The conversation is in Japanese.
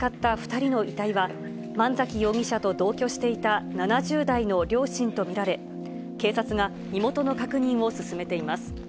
２階の焼け跡から見つかった２人の遺体は、万崎容疑者と同居していた７０代の両親と見られ、警察が身元の確認を進めています。